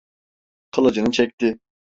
Kılıcını çekti!